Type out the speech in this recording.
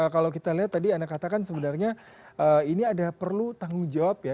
kalau kita lihat tadi anda katakan sebenarnya ini ada perlu tanggung jawab ya